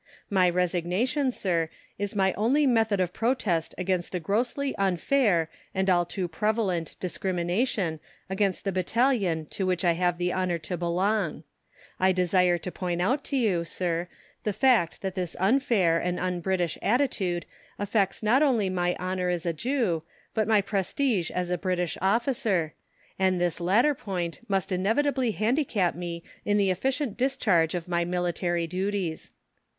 My resignation, Sir, is my only method of protest against the grossly unfair and all too prevalent discrimination against the battalion to which I have the honour to belong. I desire to point out to you, Sir, the fact that this unfair and un British attitude affects not only my honour as a Jew, but my prestige as a British officer, and this latter point must inevitably handicap me in the efficient discharge of my military duties.